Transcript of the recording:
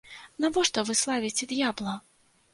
Навошта вы славіце д'ябла?